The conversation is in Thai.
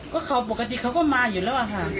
ก็เขาปกติเขาก็มาอยู่แล้วอะค่ะ